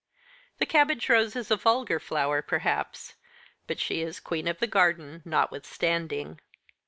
The cabbage rose is a vulgar flower perhaps, but she is queen of the garden notwithstanding.